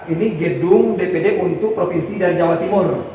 ini gedung dpd untuk provinsi dan jawa timur